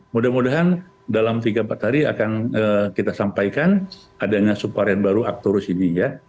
mudah mudahan dalam tiga empat hari akan kita sampaikan adanya subvarian baru aktorus ini ya